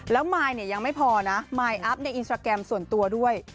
แล้วมายเนี่ยยังไม่พอนะมายอัพในอินสตราแกรมส่วนตัวด้วย